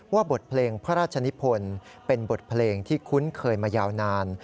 บทเพลงพระราชนิพลเป็นบทเพลงที่คุ้นเคยมายาวนาน